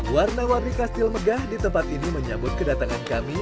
warna warni kastil megah di tempat ini menyambut kedatangan kami